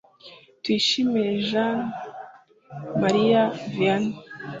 tuyishimire jeana marie vianney